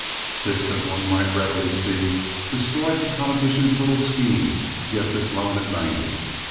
This, as one might readily see, destroyed the politicians' little scheme to get this loan at ninety.